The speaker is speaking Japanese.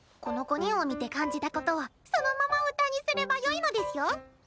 この５人を見て感じたことをそのまま歌にすればよいのですよ！